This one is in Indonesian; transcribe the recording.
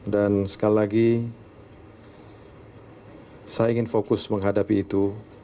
dan sekali lagi saya ingin fokus menghadapi itu